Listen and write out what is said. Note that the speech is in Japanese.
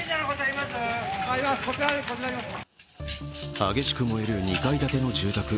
激しく燃える２階建ての住宅。